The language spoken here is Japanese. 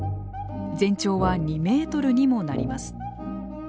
全長は２メートルにもなります。